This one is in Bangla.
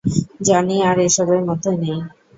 জনি আর এসবের মধ্যে নেই।